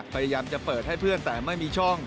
พยายามจะเปิดให้เพื่อนแต่ไม่มีช่อง